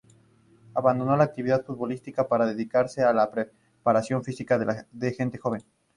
Abandonó la actividad futbolística para dedicarse a la preparación física de gente joven.